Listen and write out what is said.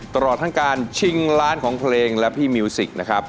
ตลอดทั้งการชิงล้านของเพลงและพี่มิวสิกนะครับ